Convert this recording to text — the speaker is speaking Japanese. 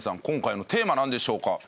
今回のテーマなんでしょうか？